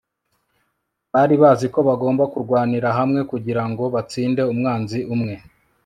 bari bazi ko bagomba kurwanira hamwe kugirango batsinde umwanzi umwe